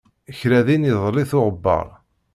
Kra din idel-it uɣebbar.